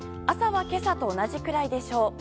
朝は今朝と同じくらいでしょう。